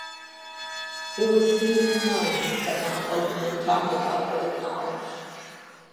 It was seen and known but not openly talked about or acknowledged.